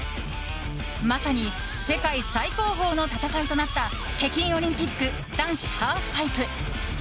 まさに世界最高峰の戦いとなった北京オリンピック男子ハーフパイプ。